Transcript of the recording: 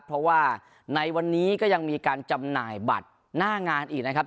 เพราะว่าในวันนี้ก็ยังมีการจำหน่ายบัตรหน้างานอีกนะครับ